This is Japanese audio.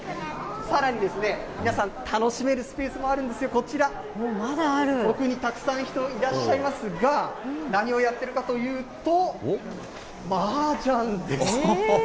さらに、皆さん、楽しめるスペースもあるんですよ、こちら、奥にたくさん人、いらっしゃいますが、何をやってるかというと、マージャンです。